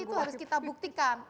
itu harus kita buktikan